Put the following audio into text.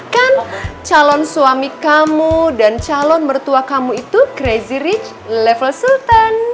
kan calon suami kamu dan calon mertua kamu itu crazy rich level sultan